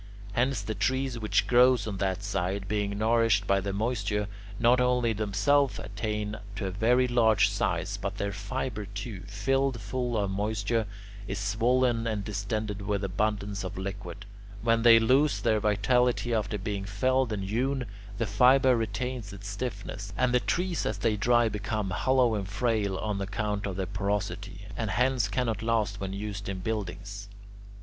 Hence the trees which grow on that side, being nourished by the moisture, not only themselves attain to a very large size, but their fibre too, filled full of moisture, is swollen and distended with abundance of liquid. When they lose their vitality after being felled and hewn, the fibre retains its stiffness, and the trees as they dry become hollow and frail on account of their porosity, and hence cannot last when used in buildings.